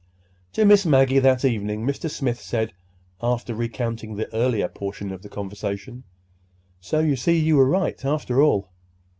To Miss Maggie that evening Mr. Smith said, after recounting the earlier portion of the conversation: "So you see you were right, after all.